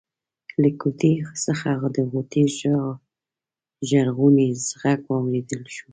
له کوټې څخه د غوټۍ ژړغونی غږ واورېدل شو.